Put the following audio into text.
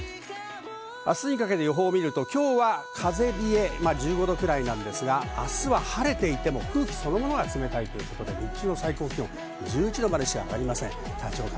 明日にかけて予報見ると今日は１５度くらいなんですが、明日は晴れていても、空気そのものが冷たいといった最高気温は１１度までしか上がりません。